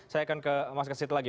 saya akan ke mas kesit lagi